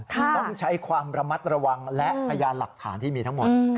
ต้องใช้ความระมัดระวังและพยานหลักฐานที่มีทั้งหมด